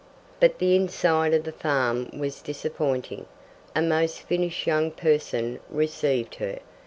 But the inside of the farm was disappointing. A most finished young person received her.